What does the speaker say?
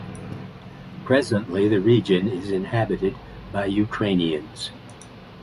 Presently, the region is inhabited by Ukrainians.